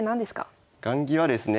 雁木はですね